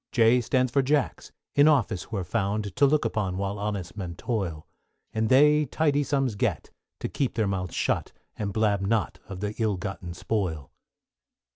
=J= stands for Jacks, in office who are found, To look on while honest men toil; And they tidy sums get, to keep their mouths shut, And blab not of the ill gotten spoil.